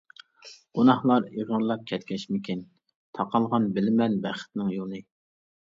گۇناھلار ئېغىرلاپ كەتكەچكىمىكىن، تاقالغان بىلىمەن بەختنىڭ يولى.